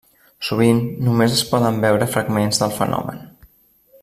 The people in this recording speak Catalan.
Sovint només es poden veure fragments del fenomen.